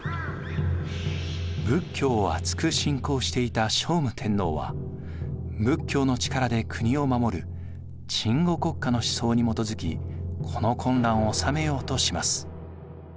仏教を厚く信仰していた聖武天皇は仏教の力で国を守る鎮護国家の思想に基づきこの混乱を収めようとします。